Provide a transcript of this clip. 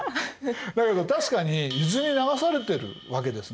だけど確かに伊豆に流されてるわけですね。